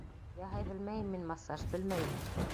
Яһай белмәйем мин массаж, белмәйем!